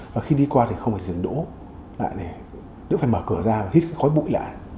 và khi đi qua thì không phải dừng đổ lại nếu phải mở cửa ra và hít cái khói bụi lại